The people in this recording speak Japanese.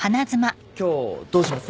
今日どうします？